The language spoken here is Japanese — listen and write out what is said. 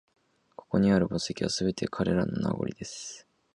ここにある墓石は、すべて彼らの…名残です